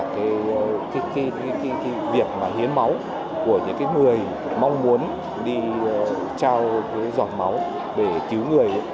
cái việc mà hiến máu của những người mong muốn đi trao cái giọt máu để cứu người